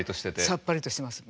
さっぱりとしてます。